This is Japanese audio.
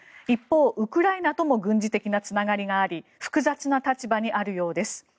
一方、ウクライナとも軍事的なつながりがあり複雑な立場にあるようです。